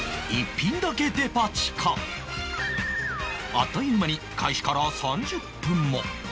あっという間に開始から３０分も